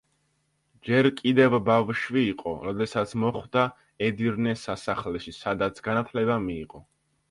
ჯერ კიდევ ბავშვი იყო, როდესაც მოხვდა ედირნეს სასახლეში, სადაც განათლება მიიღო.